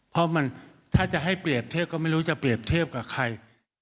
เพราะมันถ้าจะให้เปรียบเทียบก็ไม่รู้จะเปรียบเทียบกับใคร